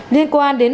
liên quan đến bắt giam